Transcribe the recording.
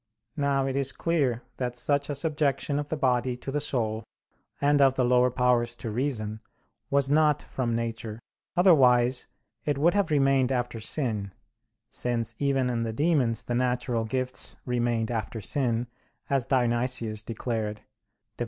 i, 16]. Now it is clear that such a subjection of the body to the soul and of the lower powers to reason, was not from nature; otherwise it would have remained after sin; since even in the demons the natural gifts remained after sin, as Dionysius declared (Div.